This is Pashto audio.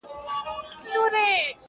اور به یې سبا د شیش محل پر لمن وګرځي!!